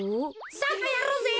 サッカーやろうぜ。